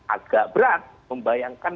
agak berat membayangkan